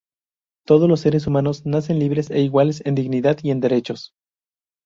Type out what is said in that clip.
Todos los seres humanos nacen libres e iguales en dignidad y en derechos.